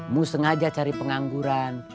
mu sengaja cari pengangguran